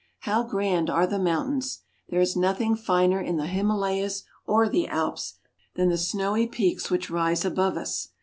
How grand are the mountains ! There is nothing finer in the Himalayas or the Alps than the snowy peaks which rise above us.